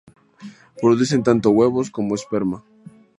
Producen tanto huevos como esperma.